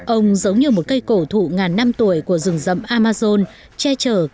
ông giống như một cây cổ thụ ngàn năm tuổi của rừng rậm amazon che chở cả một vùng rộng lớn